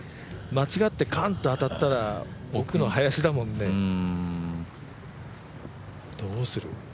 間違ってカンと当たったら、奥の林だもんね、どうする？